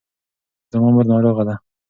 زما مور ناروغه ده.